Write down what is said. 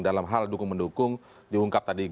dalam hal dukung mendukung diungkap tadi